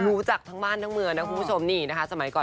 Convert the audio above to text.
รู้จักทั้งบ้านทั้งเมืองนะคุณผู้ชมนี่นะคะสมัยก่อน